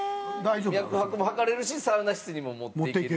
脈拍も測れるしサウナ室にも持っていけるっていう。